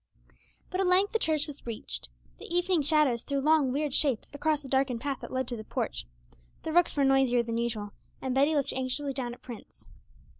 But at length the church was reached; the evening shadows threw long, weird shapes across the darkened path that led to the porch, the rooks were noisier than usual, and Betty looked anxiously down at Prince.